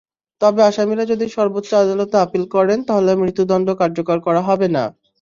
তবে আসামিরা যদি সর্বোচ্চ আদালতে আপিল করেন, তাহলে মৃত্যুদণ্ড কার্যকর করা হবে না।